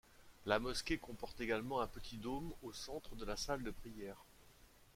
La mosquée comporte également un petit dôme au centre de la salle de prière.